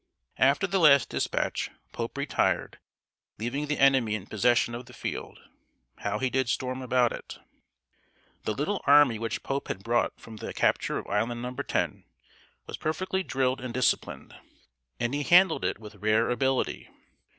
After the last dispatch, Pope retired, leaving the enemy in possession of the field. How he did storm about it! The little army which Pope had brought from the capture of Island Number Ten was perfectly drilled and disciplined, and he handled it with rare ability.